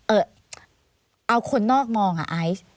เออเอาคนนอกมองอ่ะไอซ์